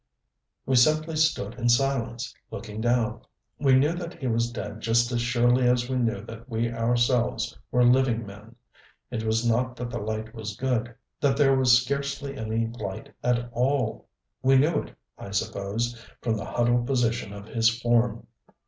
We simply stood in silence, looking down. We knew that he was dead just as surely as we knew that we ourselves were living men. It was not that the light was good; that there was scarcely any light at all. We knew it, I suppose, from the huddled position of his form.